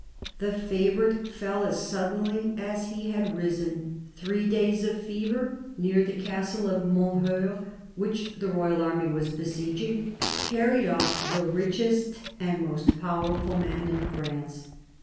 The favourite fell as suddenly as he had risen. Three days of fever, in a village near the castle of Monheurt, which the royal army was besieging, carried off the richest and most powerful man in France.